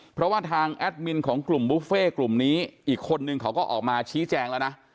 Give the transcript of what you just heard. เพราะว่าทางแอดมินของกลุ่มบุฟเฟ่กลุ่มนี้อีกคนนึงเขาก็ออกมาชี้แจงแล้วนะ